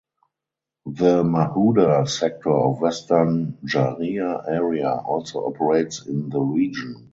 The Mahuda sector of Western Jharia Area also operates in the region.